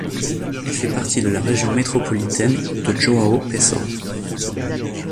Elle fait partie de la région métropolitaine de João Pessoa.